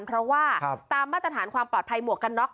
เพราะว่าตามมาตรฐานความปลอดภัยหมวกกันน็อก